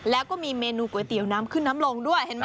แล้วก็มีเมนูก๋วยเตี๋ยวน้ำขึ้นน้ำลงด้วยเห็นไหม